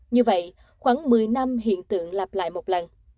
như vậy khoảng một mươi năm hiện tượng lạp lại một lần